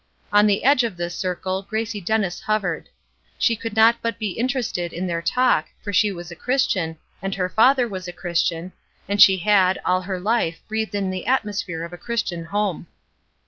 On the edge of this circle Gracie Dennis hovered. She could not but be interested in their talk, for she was a Christian, and her father was a Christian, and she had, all her life breathed in the atmosphere of a Christian home.